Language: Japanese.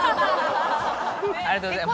ありがとうございます。